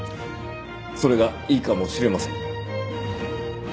それがいいかもしれません。